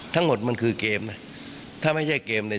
ทั้งหมดมันคือเกมนะถ้าไม่ใช่เกมเนี่ย